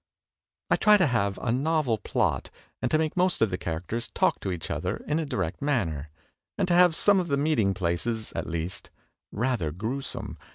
I try to have a novel plot and to make most of the characters talk to each other in a direct manner; and to have some of the meeting places, at least, rather grue some.